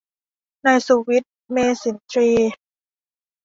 นายสุวิทย์ เมษินทรีย์